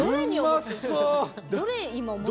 うまそう！